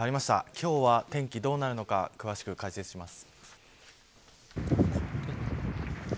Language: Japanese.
今日は天気がどうなるのか詳しく解説します。